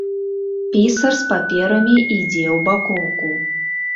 Пісар з паперамі ідзе ў бакоўку.